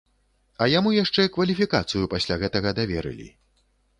А яму яшчэ кваліфікацыю пасля гэтага даверылі.